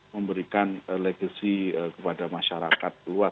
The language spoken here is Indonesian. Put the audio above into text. memberikan legacy kepada masyarakat luas